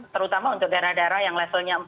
terutama untuk daerah daerah yang levelnya empat